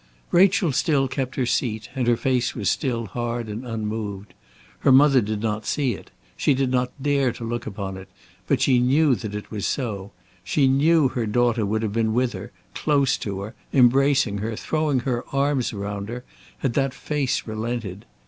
Rachel still kept her seat, and her face was still hard and unmoved. Her mother did not see it; she did not dare to look upon it; but she knew that it was so; she knew her daughter would have been with her, close to her, embracing her, throwing her arms round her, had that face relented.